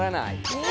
え？